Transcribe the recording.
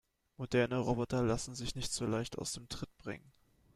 Moderne Roboter lassen sich nicht so leicht aus dem Tritt bringen.